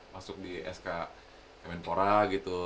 masuk di sk mn pora gitu